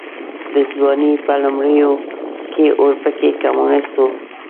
د ځوانۍ په لومړيو کې اورپکی کمونيسټ و.